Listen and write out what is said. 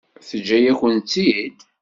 Teǧǧa-yakent-tt-id?